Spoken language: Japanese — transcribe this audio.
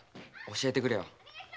教えてくれよ。